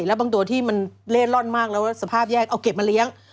แล้วบางตัวที่มันเล่ร่อนมากแล้วสภาพแยกเอาเก็บมาเลี้ยง